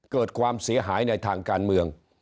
เกิดความเสียหายในทางการเมือง